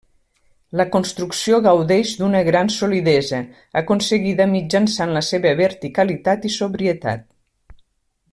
La construcció gaudeix d'una gran solidesa, aconseguida mitjançant la seva verticalitat i sobrietat.